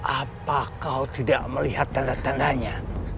apa kau tidak melihat tanda tandanya